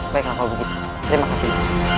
baiklah kalau begitu terima kasih